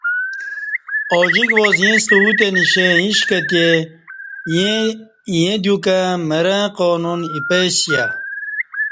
اوجِک واس اِیݩستہ اُتی نشیں اِیݩش کہ تی ییں دیوکہ مرہ قانون اپئیسیہ